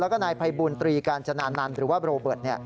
แล้วก็นายภัยบูลตรีกาญจนานันต์หรือว่าโรเบิร์ต